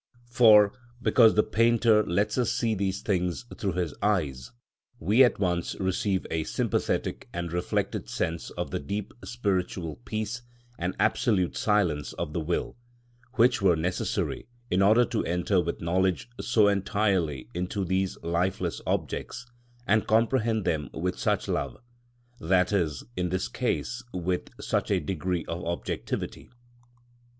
For, because the painter lets us see these things through his eyes, we at once receive a sympathetic and reflected sense of the deep spiritual peace and absolute silence of the will, which were necessary in order to enter with knowledge so entirely into these lifeless objects, and comprehend them with such love, i.e., in this case with such a degree of objectivity.